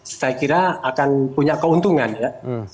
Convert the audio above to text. saya kira akan punya keuntungan ya